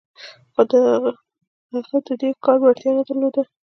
خو هغه د دې کار وړتیا نه درلوده